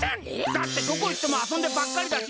だってどこいってもあそんでばっかりだし